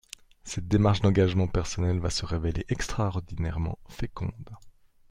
Cette démarche d’engagement personnel va se révéler extraordinairement féconde.